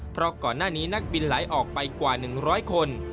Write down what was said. เพราะก่อนหน้านี้นักบินไหลออกไปกว่า๑๐๐คน